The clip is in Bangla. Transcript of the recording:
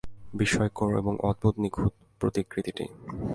বিস্ময়কর এবং অদ্ভুত নিখুঁত প্রতিকৃতিটি।